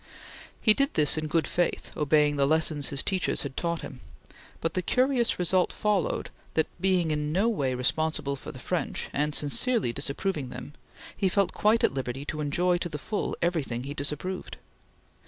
He did this in good faith, obeying the lessons his teachers had taught him; but the curious result followed that, being in no way responsible for the French and sincerely disapproving them, he felt quite at liberty to enjoy to the full everything he disapproved.